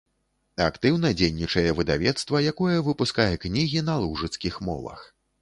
Актыўна дзейнічае выдавецтва, якое выпускае кнігі на лужыцкіх мовах.